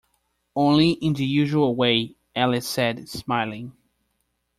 ‘Only in the usual way,’ Alice said, smiling.